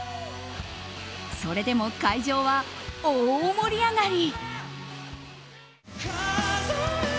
それでも会場は大盛り上がり！